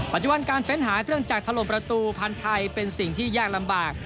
ปัจจุบันการเฟ้นหาเครื่องจักรถล่มประตูพันธุ์ไทยเป็นสิ่งที่ยากลำบาก